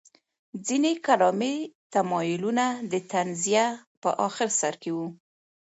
ځینې کلامي تمایلونه د تنزیه په اخر سر کې وو.